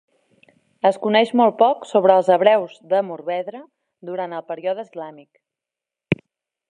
Es coneix molt poc sobre els hebreus de Morvedre durant el període islàmic.